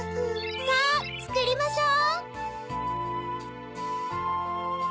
さぁつくりましょう。